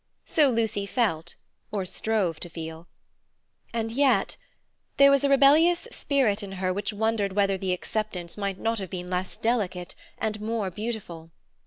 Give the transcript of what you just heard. So Lucy felt, or strove to feel. And yet—there was a rebellious spirit in her which wondered whether the acceptance might not have been less delicate and more beautiful.